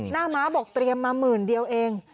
ม้าบอกเตรียมมาหมื่นเดียวเอง